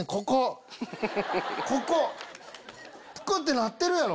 ぷくってなってるやろ？